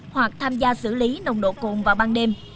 hoặc tham gia xử lý nồng độ cồn vào ban đêm